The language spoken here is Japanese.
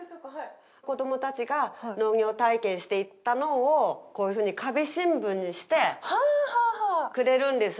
子どもたちが農業体験していったのをこういうふうに壁新聞にしてくれるんです。